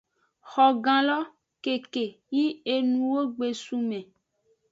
Xogan lo keke yi enuwo gbe sun me.